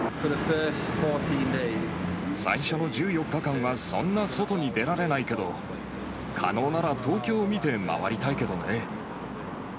最初の１４日間はそんな外に出られないけど、可能なら東京を見て回りたいけどね。